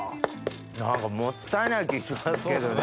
もったいない気しますけどね。